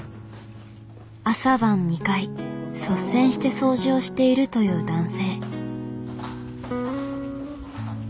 朝晩２回率先して掃除をしているという男性。